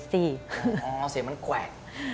เสียงมันแหว่ง